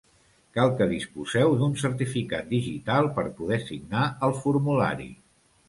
Cal que disposeu d'un certificat digital per poder signar el formulari.